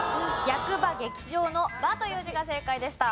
役場劇場の「場」という字が正解でした。